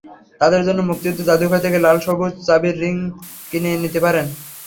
তাদের জন্য মুক্তিযুদ্ধ জাদুঘর থেকে লাল-সবুজ চাবির রিং কিনে নিতে পারেন।